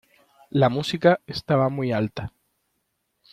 La música estaba muy alta.